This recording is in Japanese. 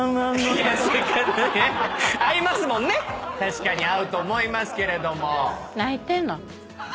確かに合うと思いますけれども。